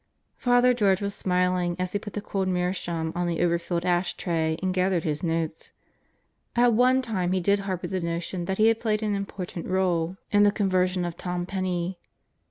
Father George was smiling as he put the cold meerschaum on the overfilled ash tray and gathered his notes. At one time he did harbor the notion that he had played an important role in 62 God Goes to Murderer's Row the conversion of Tom Penney.